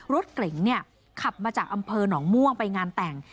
รถเก๋งเนี่ยขับมาจากอำเภอหนองม่วงไปงานแต่ง